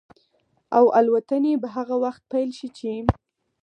او الوتنې به هغه وخت پيل شي چې